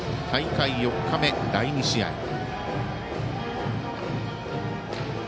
大会４日目、第２試合。